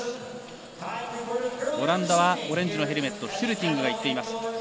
オランダはオレンジのヘルメットシュルティングがいっています。